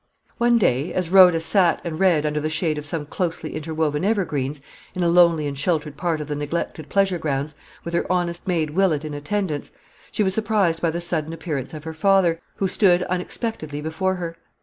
One day as Rhoda sate and read under the shade of some closely interwoven evergreens, in a lonely and sheltered part of the neglected pleasure grounds, with her honest maid Willett in attendance, she was surprised by the sudden appearance of her father, who stood unexpectedly before her.